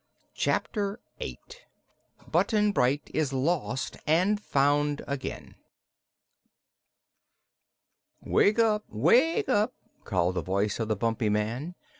Chapter Eight Button Bright is Lost and Found Again "Wake up wake up!" called the voice of the Bumpy Man.